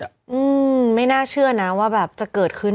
อืมไม่น่าเชื่อนะว่าแบบจะเกิดขึ้น